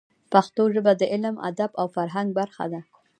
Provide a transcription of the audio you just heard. پښتو ژبه د علم، ادب او فرهنګ برخه ده.